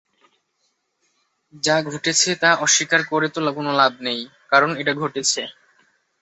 যা ঘটেছে তা অস্বীকার করে তো কোন লাভ নেই, কারন এটা ঘটেছে।